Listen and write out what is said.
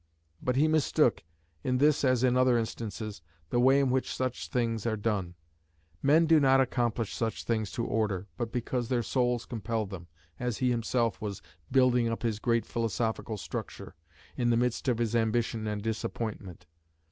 But he mistook, in this as in other instances, the way in which such things are done. Men do not accomplish such things to order, but because their souls compel them, as he himself was building up his great philosophical structure, in the midst of his ambition and disappointment.